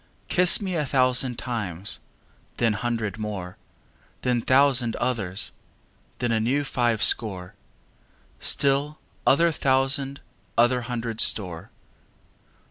Kiss me a thousand times, then hundred more, Then thousand others, then a new five score, Still other thousand other hundred store.